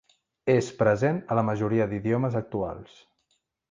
És present a la majoria d'idiomes actuals.